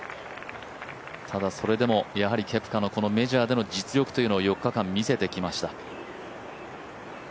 ただ、それでも、やはりケプカのこのメジャーでの実力というのは４日間、見せてきました。